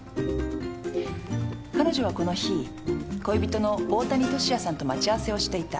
彼女はこの日恋人の大谷俊哉さんと待ち合わせをしていた。